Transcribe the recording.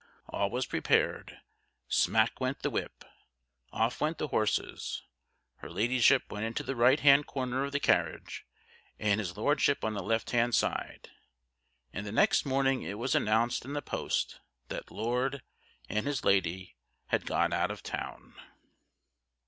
All was prepared. Smack went the whip. Off went the horses. Her Ladyship went into the right hand corner of the carriage, and his Lordship on the left hand side; and the next morning it was announced in the Post that Lord and his Lady had gone out of town.